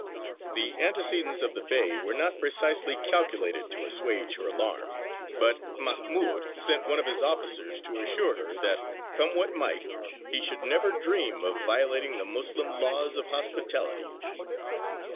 The antecedents of the Bey were not precisely calculated to assuage her alarm, but Mahmūd sent one of his officers to assure her that, come what might, he should never dream of violating the Moslem laws of hospitality.